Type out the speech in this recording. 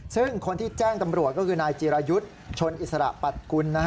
ซึ่งคนที่แจ้งตำรวจก็คือนายจีรายุทธ์ชนอิสระปัดกุล